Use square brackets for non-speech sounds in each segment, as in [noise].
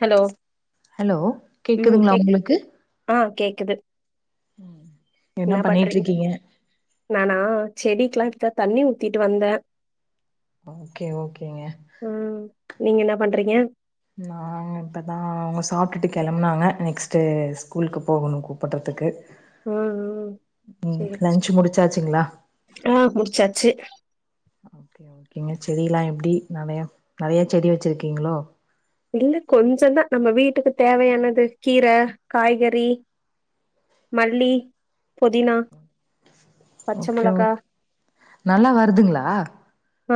Hello hello ம் கேட்குதுங்களா கேக் உங்களுக்கு ஆ கேக்குது என்ன பண்றீங் நானா செடிக்கெல்லா இப்த்தா தண்ணி ஊத்திட்டு வந்தேன் ஓகே ஓகேங்க ம் நீங்க என்ன பண்றீங்க நான் இப்பதான் அவங்க சாப்ட்டுட்டு கிளம்புனாங்க நெக்ஸ்ட்டு ஸ்கூலுக்கு போகணு கூப்பிட்றதுக்கு ம் ம் ம் சேரி லஞ்ச் முடிச்சாச்சிங்களா ஆ முடிச்சாச்சு என்ன செடிலாம் எப்டி நெறையா நெறையா செடி வெச்சுருக்கீங்களோ இல்ல கொஞ்ச தான் நம்ம வீட்டுக்கு தேவையானது கீரை காய்கறி மல்லி பொதினா பச்ச ஓகே மொளகா ஓகே நல்லா வருதுங்களா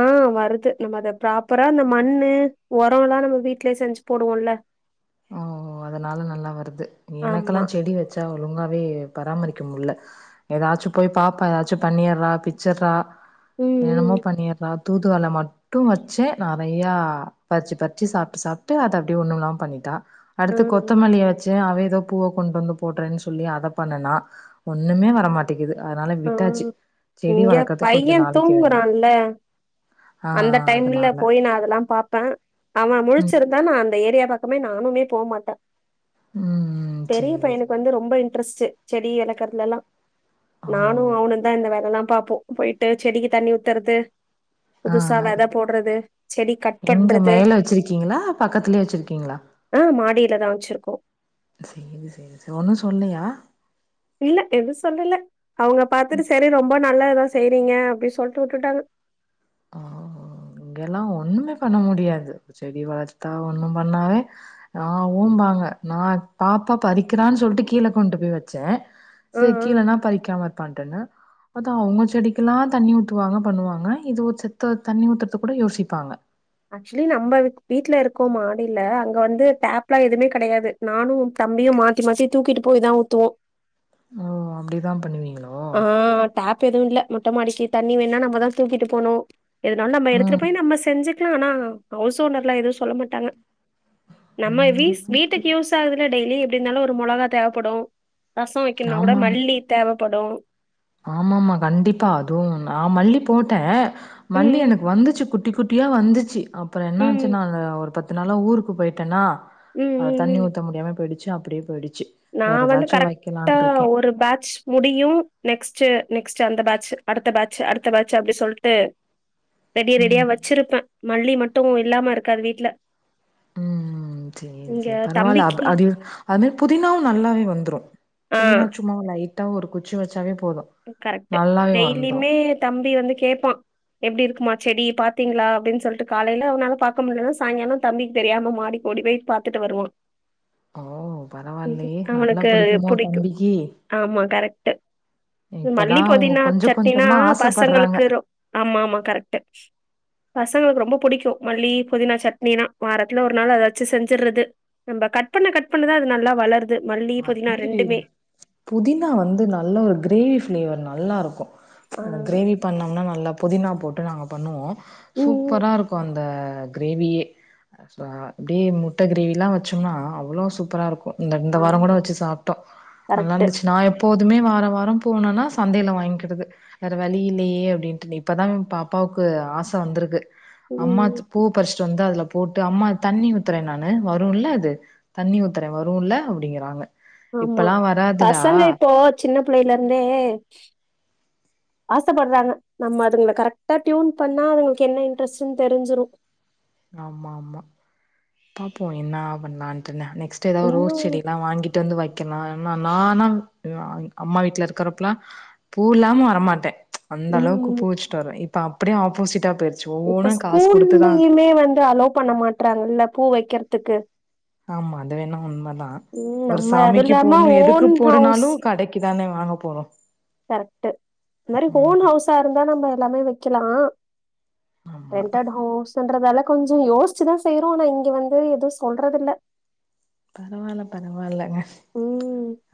ஆ வருது நம்ம அத ப்ராப்பரா இந்த மண்ணு உரம் எல்லா நம்ம வீட்லேயே செஞ்சு போடுவோல்லே ஓ அதனால நல்லா வருது ஆமா எனக்கெல்லாம் செடி வெச்ச ஒழுங்கவே பராமரிக்க முட்ல ஏதாச்சும் போய் பாப்பா ஏதாச்சு பண்ணியிறா பிச்யிறா என்னனெமோ ம் ம் பண்ணியிறா தூதுவல்ல மட் மட்டும் வெச்சேன் நெறையா பறிச்சு பறிச்சு சாப்ட்டு சாப்ட்டு அத அப்டியே ஒண்ணும்ல்லாம பண்ணிட்டா ஆ அடுத்து கொத்தமல்லிய வெச் அவ ஏதோ பூவ கொண்டு போடுறேன்னு சொல்லி அதை பண்ணுனா ஒன்னுமே வரமாட் டேகிது ஆ விட்டாச்சு செடி இங்க வளர்க்குறதுக்கு கொஞ்ச பைய நாளைக்கு வேணா தூங்குறான்ல ஆ அந்த டைம்ல அதனால போய் நான் அதெல்லாம் பாப்பேன் அவன் ம் முழச்சிருந் த நான் அந்த ஏரியா பக்கமே நானுமே போ மாட்டேன் ம் பெரிய சேரி சேரி பையனுக்கு வந்து ரொம்ப ரொம்ப இன்ட்ரெஸ்ட் செடி இளக்கறல எல்லா ஓ நானும் அவனும் இந்த எல்லா பாப்போம் போயிட்டு செடிக்கு தண்ணி ஊத்துறது புதுசா ஆ வெத போடுறது செடி கட் எங்க பண்றது மேல வச்சிருக்கீங்களா பக்கத்துலயே வச்சிருக்கீங்களா ஆ மாடியிலதான் வெச்சிருக்கோ செரிங்க செரிங்க ஒன்னு சொல்லையா இல்ல எதுவும் சொல்லல அவங்க பாத்துட்டு செரி ரொம்ப நல்லது தான் செய்றீங்க அப்டின்னு சொல்லிட்டு வுட்டுட்டாங்க இங்கெல்லாம் ஒண்ணுமே பண்ண முடியாது செடி வளத்தா ஒண்ணு பண்ணாவே ஆ ஓம்பாங்க நான் பாப்பா பறிக்கிறான்னு சொல்லிட்டு கீழே கொண்டு போய் வெச்சேன் ஆ செரி ஆ கீழனா பறிக்காம இருப்பான்ட்டேன்னு அதா அவங்க செடிக்கெல்லா தண்ணி ஊத்துவாங்க பண்ணுவாங்க இது ஒரு செத்த தண்ணி ஊத்துறதுக் கூட யோசிப்பாங்க ஆக்சுவலி நம்ம வீட்ல இருக்கோ மாடியில அங்க வந்து டேப்லா எதுமே கெடயாது நானு தம்பியு மாத்தி மாத்தி தூக்கிட்டு போய் தா ஊத்துவோ ஓ அப்டிதா பண்ணுவீங்ளோ ஆ டேப் எதுவு இல்ல மொட்டமாடிக்கு தண்ணி வேண்ணா நம்ம தா தூக்கிட்டு போணு எதுனாலு நம்ம எடுத்துட்டு ம் போய் நம்ம செஞ்சுக் லா ஆனா ஹவுஸ் ஓனர்லா எதுவு சொல்ல மாட்டாங்க நம்ம இங்கெல்லா வீஸ் இப்டி வீட்டுக்கு யூஸ் பத்தாதுல டெய்லி எப்டி இருந்தாலு ஒரு மொளகா தேவைப்படு ரசோ வைக்கண்னா கூட ஆமா ஆமா மல்லி தேவப்படு ஆமாமா கண்டிப்பா அதுவு நா மல்லி போட்டே ம் மல்லி ம் எனக்கு வந்துச்சு குட்டி குட்டியா வந்துச்சு அப்றோ என்ன ம் ஆச்சுனா வெ ஒரு பத்து நாளா ஊருக்கு போயிட்டேனா ம் அ ம் தண்ணி ம் ஊத்த முடியாமே போயிடுச்சு அப்டியே போயிடுச்சு நா வேற வந்து ஏதாச்சும் கரெக்டா வைக்கலான்னு இருக்கேன். ஒ ரு பேட்ச் முடியு நெக்ஸ்டு நெக்ஸ்டு அந்த பேட்ச் அடுத்த பேட்ச் அடுத்த பேட்ச் அப்டி சொல்ட்டு ரெடி ரெடியா ம். வச்சிருப்பே மல்லி மட்டு இல்லாம இருக்காது வீட்ல ம் ம் செரி இங்க செரி பரவால்ல அப் தம்பிக்கு அது அது புதினாவு நல்லாவே வந்துரு ஆ புதினா சும்மா லைட்டா ஒரு குச்சி வச்சாவே போது கரெக்டு டெய்லியுமே தம்பி வந்து கேப்பா எப்டி இருக்குமா செடி பாத்தீங்ளா அப்டின் சொல்ட்டு காலைல அவனால பாக்க முட்லனா சாயங்காலோ தம்பிக்கு தெரியாம மாடிக்கு ஓடி போய் பாத்துட்டு வருவா ஓ! ம்ஹூ பரவாயில்லயே! நல்லா அவனுக்கு பிடிக்குமோ புடிக்கு தம்பிக்கு? ஆமா கரெக்டு மல்லி இப்பதான் அவங்க புதினா கொஞ்சம் சட்னினா கொஞ்சமா ஆசைப்படுறாங்க. பசங்களுக்கு ரொ ஆமா ஆமா கரெக்டு பசங்களுக்கு ரொம்ப பிடிக்கு மல்லி புதினா சட்னினா வாரத்துல ஒரு நாள் அத வச்சு செஞ்சுறது நம்ப கட் பண்ண கட் பண்ணதா அது நல்லா வளருது மல்லி அது புதினா மாரி ரெண்டுமே புதினா வந்து நல்ல ஒரு கிரேவி பிளேவர் நல்லா இருக்கு ஆ அ கிரேவி பண்ணோம்னா நல்லா புதினா போட்டு நாங்க பண்ணுவோ ம் ம் சூப்பரா இருக்கு அந்த கிரேவியே சோ இப்டி முட்ட கிரேவிலா வச்சோம்னா அவ்ளோ சூப்பரா இருக்கு இந்த இந்த வாரோங் ஆமா கூட வச்சு சாப்ட்டோ நல்லா கரெக்ட் இருந்துச்சு நாயெப் போதுமே வார வாரோ போனோனா சந்தையில வாங்கிறது வேற வழி இல்லையே அப்டின்ட்டு இப்பதா எ பாப்பாவுக்கு ஆச வந்திருக்கு ம் அம்மாத் பூ பர்ஸ் சு வந்து அதுல போட்டு அம்மா தண்ணி ஊத்துறே நானு வருல்ல அது தண்ணி ஊத்துறே வருல்ல அப்டிங்கிறாங்க ஆமா இப்பல்லா வராதுடா பசங்க இப்போ சின்ன புள்ளையிலே இருந்தே ஆசப்படுறாங்க நம்ம அதுங்கள கரெக்டா டியுன் பண்ணா அதுங்களுக்கு என்ன இன்ட்ரெஸுன் தெரிஞ்சிரு ஆமா ஆமா பாப்போ என்ன பண்ணலான்ட்டுனு நெக்ஸ்ட்டு ஏதோ இன்னு ரோஸ் செடிலா வாங்கி டு வந்து வைக்கலா நா நானா [unintelligible] அம்மா வீட்ல இருக்கிறப்பலா பூ இல்லாம வரமாட்டே அந்த அளவுக்கு ம் பூவச்சுட்டு வருவே இப்ப அப்டியே ஆப்போசிட்டா போயிருச் இப்ப ஸ்கூல்லையுமே வந்து அலோ பண்ண மாட்டறாங்கல்ல பூ வைக்றதுக்கு ஆமா அது வேணா உண்மதா ம் ஒரு நம்ம அது சாமிக்கு இல்லாம போட்ணு எதுக்கு ஓன் ஹவுஸ் போடனாலு கடைக் கி தான ‌வாங்க போறோ கரெக்டு இந்த மாரி ம் ஓன் ஹவுஸா இருந்தா நம்ம எல்லாமே வைக்கலா ஆமா ரென்டட் ஹவுஸுன்றதால கொஞ்சோ யோசிச்சுதா செய்றோ ஆனா இங்க வந்து எதுவு சொல்றது இல்ல பரவால்ல பரவால்லங்க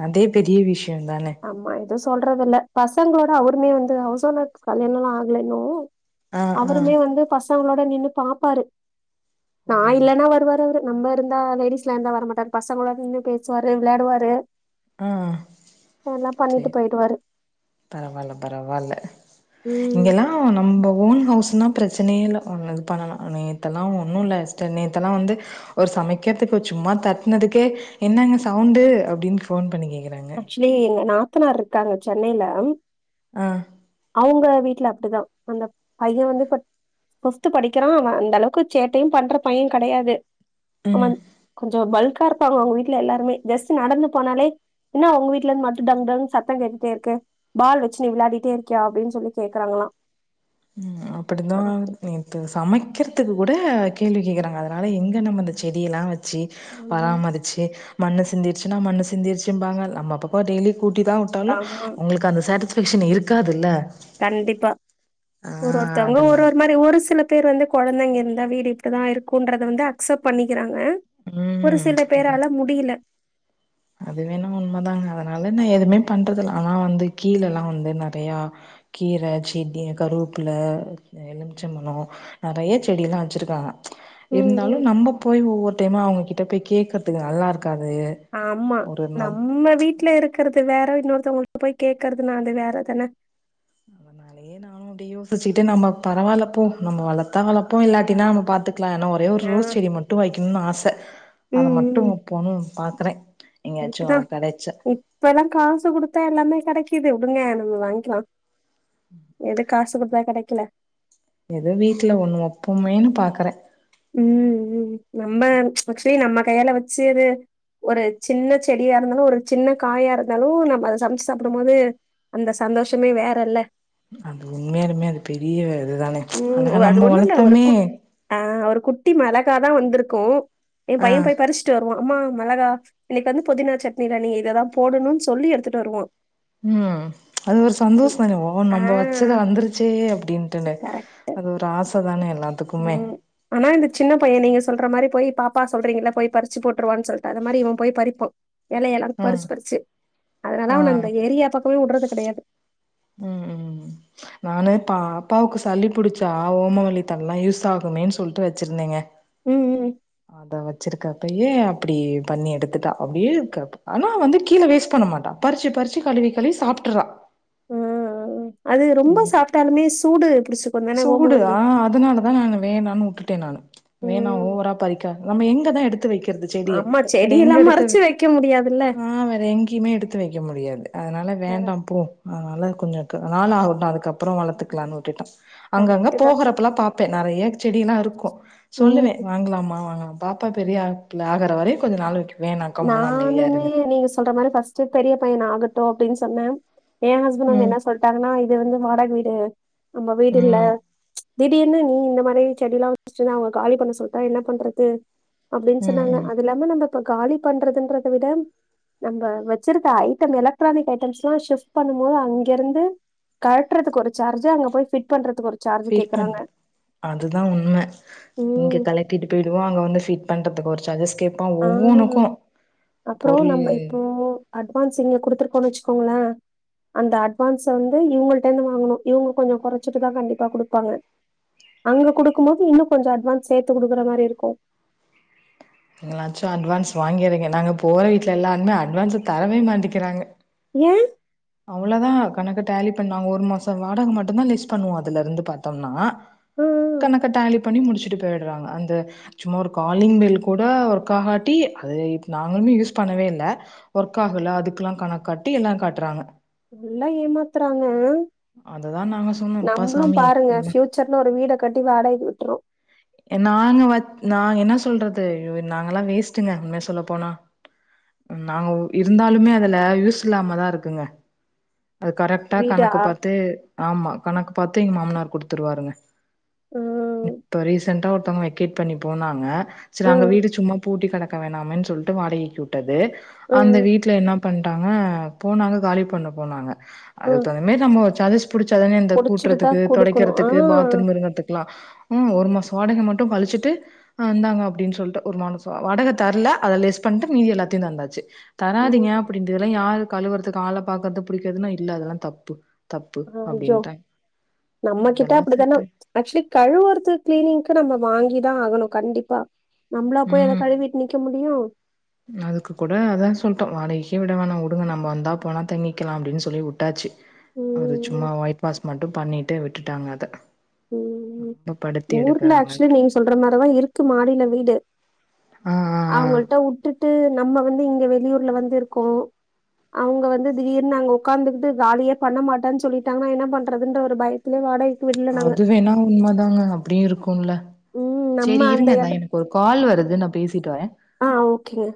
அதே பெரிய விஷ்யோந்தான அம்மா எதுவு சொல்றதில்ல பசங்களோட அவருமே வந்து ஹவுஸ் ஓனார்கு கல்யாணல்லா ஆகல இன்னு ஆ ஆ அவருமே வந்து பசங்களோட நின்னு பாப்பாரு நா ஓ இல்லன்னா வருவாரு அவரு நம்ப இருந்தா லேடிஸ்லா இருந்தா வர மாட்டாரு பசங்களோடு நின்னு பேசுவாரு வெளையாடுவாரு ஆ ஓ எல்லாம் பண்ணிட்டு சேரி போயிடுவாரு பரவால்ல பரவால்ல ம் இங்கெல்லாம் நம்ப ஓன் ஹவுஸ்னா பிரச்சனையே இல்ல ஒன்னு பண்ணலாம் நேத்தெல்லாம் ஒன்னு இல்ல சிஸ்டர் நேத்தெல்லாம் வந்து ஒரு சமைக்கிறதுக்கு சும்மா தட்டுனதுக்கே என்ன அங்க சவுண்ட் அப்டின்னு ஃபோன் பண்ணிக்கேக்க ஆக்சுலி எங்க நாத்தனார் இருக்காங்க சென்னையில ஆ அவுங்க வீட்ல அப்டிதான் அந்த பையன் வந்து இப்ப பிஃப்து படிக்கிறான் அவ அந்த அளவுக்கு சேட்டையும் பண்ற பையன் கெடையாது ம். அவன் கொஞ்சம் பல்கா இருப்பாங்க அவுங்க வீட்ல எல்லாருமே ஜஸ்ட் நடந்து போனாலே என்னா உங்க வீட்ல இருந்து மட்டும் டங் டங்கு சத்தம் கேட்டுட்டே இருக்கு பால் வச்சு நீ விளையாடிட்டே இருக்கியா அப்டின்னு சொல்லி கேக்குறாங்களா ஆ அப்படிந்தா நேத்து சமைக்கிறதுக்கு கூட கேள்வி கேக்குறாங்க அதனால எங்கே நம்ம இந்த செடியெல்லாம் வச் வச்சு ஆமா பராமரிச்சு ச்சு மண்ணு சிந்திச்சுன்னா மண்ணு சிந்திர்ச்சுபாங்க நம்ம பக்கம் டெய்லி கூட்டி தா வுட்டாலும் ஆமா, அவுங்களுக்கு அந்த சட்டிஸ்ஃபாக்ஷன் இருக்காதுல்ல கண்டிப்பா ஆ ஒரு ஒருத்தவங்க ஒரு அதனா ஒரு மாரி ஒரு சில பேர் வந்து கொழந்தைங்க இருந்தா வீடு இப்டிதான் இருக்குங்கறத வந்து அக்செப்ட் பண்ணிக்கிறாங்க ஒரு ம் சில பேரால முடியல அது வேணா உண்மைதாங்க அதனால நான் எதுவுமே பண்றதுல ஆனா வந்து கீழ எல்லாம் வந்து நெறையா கீர செடி கருவபிள்ள எலுமிச்சை பழம் நறைய செடியிலாம் வச்சுருக்காங்க ம் ம் இருந்தாலும் நம்ப போய் ஒவ்வொரு டைமா அவுங்ககிட்ட போய் கேக்குறதுக்கு நல்லா இருக்காது ஆமா ஒரு நம் நம்ம வீட்ல இருக்கறது வேற இன்னொருத்தவங்க [unintelligible] போய் கேக்குறது ந அது வேற தான நானும் அப்பிடியே யோசிச்சுட்டு நம்ம பராவல்ல போ நம்ம வளத்தா வளப்போம் இல்லாட்டின்னா நம்ம பாத்துக்கலாம் ஒரே ஒரு ஆ ரோஸ் செடி மட்டும் வைய்க்கணும்னு ஆச அதை ம் மட்டும் வக்கணும் பாக்குறே எங்கயாச்சு அதுக்குதான் கெடைச்சா இப்ப எல்லாம் காசு குடுத்தா எல்லாமே கெடைக்குது விடுங்க நம்ம வாங்கிக்கலாம் எது காசு குடுத்தா கெடைக்கல ஏதோ வீட்ல ஒண்ணு வெப்போமே பாக்குறே ம் ம் நம்ப ஆக்சுவலி நம்ம கையால வச்சு அத ஒரு சின்ன செடியா இருந்தாலும் ஒரு சின்ன காயா இருந்தாலும் நம்ம அத சமைச்சி சாப்பிடும் போது அந்த சந்தோஷமே வேற இல்ல அது உண்மையாலுமே அது பெரிய இதுதானே அழகா நம்ம வளத்தோமே ஆ ஒரு குட்டி மெளகாதா வந்திருக்கும் என் ஆ பைய போயி பரிச் த்து வருவான் அம்மா மெளகா இன்னிக்கு வந்து புதினா சட்னில நீ இதெல்லா போடணும் சொல்லி எடுத்துட்டு வருவா ம் அது ஒரு சந்தோஷம் தானே ஆ நம்ப வச்சது வந்துருச்சே அப்டின் கரெக்ட். அது ஒரு ஆசை தானே எல்லாதுக்குமே ம். ஆனா இந்த சின்ன பையன் நீங்க சொல்ற மாரி போயி பாப்பா சொல்றீங்கள்ள போயி பறிச்சு போட்டுருவான்னு சொல்லிட்டு அது மாரி இவன் போயி பறிப்பா எலையெல்லா ம் பறிச்சி பறிச்சி அதனாலா ஆ அவன அந்த ஏரியா பக்கமே வுடுறது கெடையாது ம் ம் நானே பாப்பாவுக்கு சளி புடிச்சா ஓமவல்லித்தள எல்லாம் யூஸ் ஆகுமேன்னு சொல்லிட்டு வச்சிருந்தேங்க ம் ம் அத வச்சிருக்கப்பயே அப்படி பண்ணி எடுத்துட்டா அப்டியே இருக்கப் ஆனா வந்து கீழ வேஸ்ட் பண்ண மாட்டா பறிச்சி பறிச்சி கழுவி கழுவி சாப்ட்டறா அ ஆ அது ரொம்ப சாப்ட்டாலுமே சூடு புடிச்சி சூடு ஆ அதனாலதா நா வேணானு உட்டுடே நானு வேணா ம். ஓவரா பறிக்க நம்ம எங்கதா எடுத்து வைகிறது செடிய ஆமா வேற செடி எங்க எல்லாம் எடுத்து மறைச்சு வைக்க முடியாதுல்ல. ஆ் வேற எங்க எங்கயுமே எடுத்து வைக்க முடியாது அதனால வேண்டா கரெக்ட் போ அதனால கொஞ்சோ நாள் ஆகட்டு அதுக்கப்றோ வளர்த்துக் க்லானு விட்டுட்டோ அங்கங்க கரெக்ட்டு தான். போகறப்பல்லா பாப்பே நறையா செடி எல்லா இருக்கு ம். சொல்லுவே வாங்லாமா வாங்லாமா பாப்பா பெரிய பிள்ள ஆகுற வரையும் கொஞ்ச நாள் வரைக்கு வேணா கம்முனு அமைதியா நானுமே இருங்கன்ட்டு நீங்க சொல்ற மாரி பஸ்ட் ட்டு பெரிய பையனாகட்டு அப்டின்னு சொன்னே ஏ ஹஸ்பண்ட் வந்து ம் என்ன சொல்ட்டாங்கன்னா இது வந்து வாடகை வீடு நம்ம வீடு இல்ல ம் திடிர்னு நீ இந்த மாரி செடிய எல்லா வச்சிட்டன்னா அவங்க காலி பண்ண சொல்லிட்டா என்ன பண்றது அப்டின்னு ம் சொன்னாங்க ம் அது இல்லாம நம்ம இப்ப காலி பண்றதன்றத விட நம்ம வச்சிருந்த ஐட்டம் எலக்ட்ரானிக் ஐட்டம்ஸ் எல்லா ஷிஃப்ட் பண்ணும் போது அங்கிருந்து கழட்றதுக்கு ஒரு சார்ஜர் அங்க போய்ட் பண்றதுக்கு ஒரு சார்ஜு வெயிட் கேக்குறாங்க. பண்து அதுதா உண்ம இங்க ம். தலை கூட்டிட்டு போயிடுவா அங்கே வந்து பிட் பண்றதுகு ஒரு சஜஸ் கேட்பா ஆ. ஒவ்வொனுக்கு அப்புறம் பொருள் நம்ம இப்போ அட்வான்ஸ் இங்க குடுத்துருகோனு வச்சிகோங்களே அந்த அட்வான்ஸ வந்து இவங்கள்டே இருந்து வாங்கணு இவங்க கொஞ்சசோ கொறைச்சிட்டு தா கண்டிப்பா கொடுபாங்க அங்க குடுக்கும்போது இன்னு கொஞ்சோ அட்வான்ஸ் சேத்து கொடுக்ற மாரி இருக்கும் நீங்களாச்சு அட்வான்ஸ வாங்கிறீங்க நாங்க போற வீட்ல எல்லாருமே அட்வான்ஸ தரவே மாட்டக்றாங்க ஏ அவ்ளோதா கணக்கு டேலி பண்ணாங்க ஒரு மாஷோ வாடகை மட்டும்தா லெஸ் பண்ணுவோ அதுல இருந்து பாத்தோம்னா ஆ, ஆ. கணக்க டேலி பண்ணி முடிச்ட்டு போயிர்றாங்க அந்த சும்மா ஒரு காலிங் பெல் கூட ஒர்க் ஆகாட்டி அது நாங்களு மே கூட யூஸ் பண்ணவே இல்ல ஒர்க் ஆகல அதுக்லா கணக்காட்டி எல்லா காட்றாங்க நல்லா ஏமாத்றாங்க அததா நாங்க சொன்னோ அப்பா நம்மளு சாமி பாருங்க எப்படிலா சட்னு ஒரு வீட கட்டி வாடக விட்ருவோ என் நாங்க வந் நா என்ன சொல்றது நாங்கல்லா வேஸ்ட்டுங்க உன்மைய சொல்ல போனா நாங்க இருந்தாலுமே அதுல யூஸ் இல்லாம தா இருக்குங்க அது கரெட்டா வீடா? கணக்கு பாத்து ஆமா கணக்கு பாத்து எங்க மாமனார் குடுத்துருவாருங்க ஆ இப்ப ரீசெண்டா ஒருத்தவங்க வெக்கேட் பண்ணி போனாங்க சரி அங்க ம். வீடு சும்மா பூட்டி கடக்க வேணாமேன்னு சொல்லிட்டு வாடகைக்கு விட்டது அந்த ம். வீட் ல என்ன பண்ணிடாக போனாங்க காலி பண்ண போனாங்க அதுக்கு ம். தகுந்த மாரி நம்ம சஜஸ் புடிச்சாதானே இந்த புடிச்சுட்டு கூட்டுறதுக்கு தான் குடுக்கணும். ஆ. துடைக்கிறதுக்கு பாத்ரூம் இருங்றதுக்கெலா ம் ஒரு மாசோ வாடகை மட்டு கழிச்சிட்டு அ இந்தாங்க அப்டின்னு சொல்லிட்டு ஒரு மானசோ வடகை தரல அதை லெஸ் பண்ணிட்டு மீதி எல்லாத்தையு தந்தாச்சு தராதிங்க ம். அப்டின்றதெல்லா யாரு கழுவுறது ஆள பாக்குறது புடிக்கறதுன்னு இல்ல அதெல்லா தப்பு தப்பு ஐயோ! அப்படின்ட்டாய்ங் நம்மகிட்ட இதெல்லா அப்படித்தான செட்டாய் ஆக்சுவலி கழவுறது கிளீனிங்கு ஆக்சுவலி கழுவுறது க்ளீனிங்க்கு நம்ம வாங்கி தா ஆகணு கண்டிப்பா நம்மளா போய் அத ம். கழுவி நிக்க முடியு அதுக்கு கூட அதா சொல்ட்டோ வாடகைக்கே விட வேணா உடுங்க நம்ம வந்தா போனா தங்கிக்கலா அப்டின்னு சொல்லி உட்டாச்சு ஒரு ம். சும்மா ஒயிட் வாஷ் மட்டு பண்ணிட்டு விட்டுட்டாங்க அத ம் ரொம்ப படுத்தி ஊர்ல ஆக்சுவலி எடுக்குறாங்கன்ட்டு நீங்க சொல்ற மாரிதா இருக்கு மாடில வீடு ஆ ஆ ஆ அவங்கள்ட்ட வுட்டுட்டு நம்ம வந்து இங்க வெளியூர்ல வந்து இருக்கோ அவங்க வந்து திடீர்னு நாங்க உக்காந்துட்டு காலியே பண்ண மாட்டான்னு சொல்லிட்டாங்கனா என்ன பண்றதுன்ற ஒரு பயம் வாடகைக்கு விடல நாங்க அது வேணா உண்ம தாங்க அப்டியு இருக்கும்ல ம் நம்ம சேரி அந்த இருங்க நா எடத் எனக்கு ஒரு கால் வருது நா பேசிட்டு வரே ஆ ஓகேங்க